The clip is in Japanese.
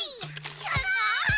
すごーい！」